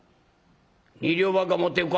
２両ばっか持ってくか？」。